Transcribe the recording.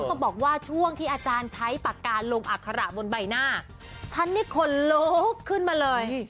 ก็บอกว่าช่วงที่อาจารย์ใช้ปากกาลงอัคระบนใบหน้าฉันนี่คนโลกขึ้นมาเลย